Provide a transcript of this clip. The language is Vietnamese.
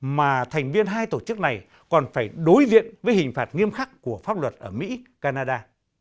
mà thành viên hai tổ chức này còn phải đối diện với hình phạt nghiêm khắc của pháp luật ở mỹ canada